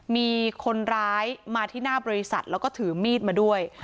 มีคนร้ายมาที่หน้าบริษัทแล้วก็ถือมีดมาด้วย